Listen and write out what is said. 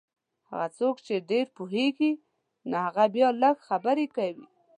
هغه څوک چې ډېر پوهېږي نو هغه بیا لږې خبرې کوي.